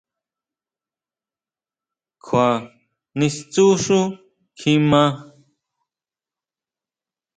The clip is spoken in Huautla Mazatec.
¿Kjua nistsjú xú kjimá?